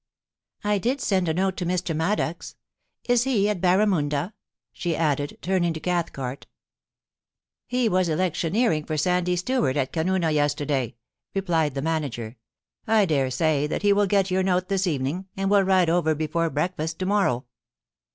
I did send a note to Mr. Maddox. Is he at Barramunda ?' she added, turning to CathcarL * He was electioneering for Sandy Stewart at Canoona yesterday,' replied the manager. * I dare say that he will get your note this evening, and will ride over before break fast to morrow.